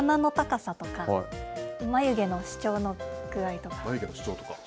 鼻の高さとか、眉毛の主張の具合とか。